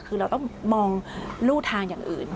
คือเราต้องมองรูทางอย่างอื่น